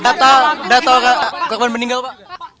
tidak tahu enggak tahu kekuatan meninggalku pak